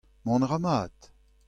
Mont a ra mat ?